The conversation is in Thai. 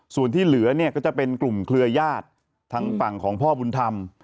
ส่วนที่เหลือเนี่ยก็จะเป็นกลุ่มเครือญาติทางฝั่งของพ่อบุญธรรม